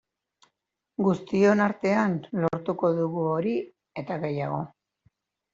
Guztion artean lortuko dugu hori eta gehiago.